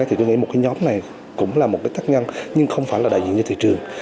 thì tôi nghĩ một cái nhóm này cũng là một cái thắc nhăn nhưng không phải là đại diện cho thị trường